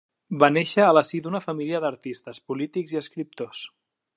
Va néixer en el si d'una família d'artistes, polítics i escriptors.